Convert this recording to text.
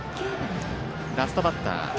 ラストバッター